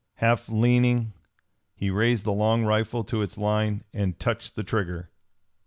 Half leaning, he raised the long rifle to its line and touched the trigger.